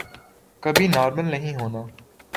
کبھی نارمل نہیں ہونا۔